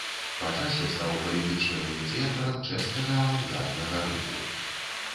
Па часе стаў палітычным ініцыятарам чэшскага авангарднага руху.